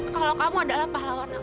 kalau kamu adalah pahlawan aku